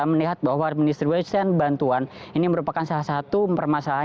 melihat bahwa pendistribution bantuan ini merupakan salah satu permasalahan